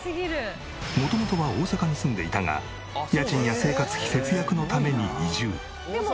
元々は大阪に住んでいたが家賃や生活費節約のために移住。